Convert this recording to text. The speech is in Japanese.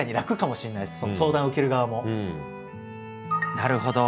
なるほど。